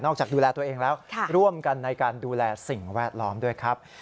จากดูแลตัวเองแล้วร่วมกันในการดูแลสิ่งแวดล้อมด้วยครับ